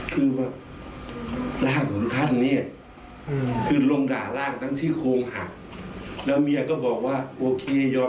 คือว่าร่างของท่านเนี่ยขึ้นลงด่าร่างทั้งซี่โครงหักแล้วเมียก็บอกว่าโอเคยอม